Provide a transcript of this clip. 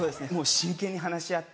真剣に話し合って。